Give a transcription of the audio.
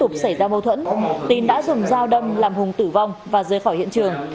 sau đó tục xảy ra mâu thuẫn tín đã dùng dao đâm làm hùng tử vong và rơi khỏi hiện trường